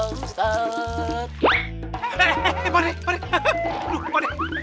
eh eh eh pak dek pak dek